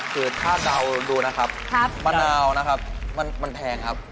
คือถ้าเดาดูนะครับมะนาวนะครับมันแพงครับ